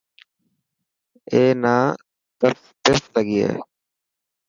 اي نا ترس لگي هي.